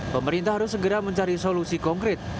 pemerintah harus segera mencari solusi konkret